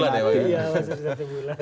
masih ada satu bulan